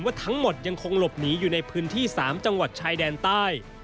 ว่าทั้งหมดยังคงหลบหนีอยู่ในพื้นที่๓จังหวัดชายแดนใต้